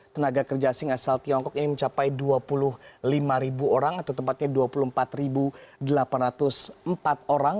tenaga kerja asing asal tiongkok ini mencapai dua puluh lima orang atau tempatnya dua puluh empat delapan ratus empat orang